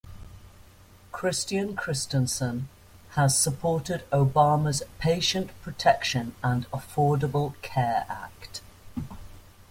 Christian-Christensen has supported Obama's Patient Protection and Affordable Care Act.